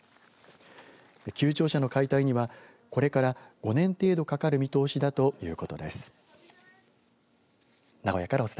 旧庁舎の解体にはこれから５年程度かかる見通しだということです。